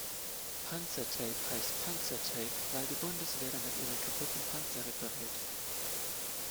Panzertape heißt Panzertape, weil die Bundeswehr damit ihre kaputten Panzer repariert.